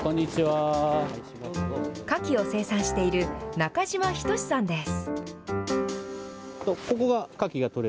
カキを生産している中嶋均さんです。